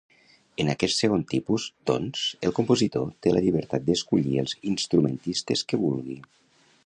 En aquest segon tipus, doncs, el compositor té la llibertat d'escollir els instrumentistes que vulgui.